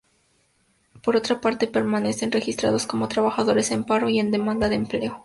Por otra parte, permanecen registrados como trabajadores en paro y en demanda de empleo.